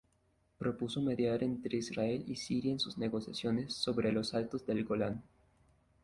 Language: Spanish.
Propuso mediar entre Israel y Siria en sus negociaciones sobre los Altos del Golán.